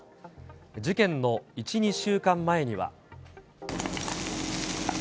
事件の１、２週間前には。